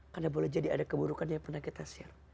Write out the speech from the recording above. karena boleh jadi ada keburukan yang pernah kita share